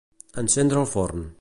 Encendre el forn.